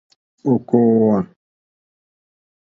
Ò kòòwà.